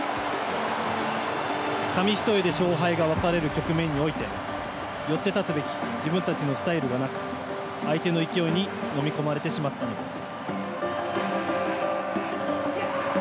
紙一重で勝敗が分かれる局面においてよって立つべき自分たちのスタイルがなく相手の勢いに飲み込まれてしまったのです。